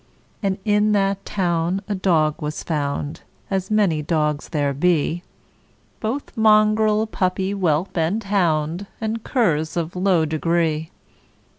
And in that town a dog was found, As many dogs there be, Both mongrel, puppy, whelp, and hound, And curs of low degree.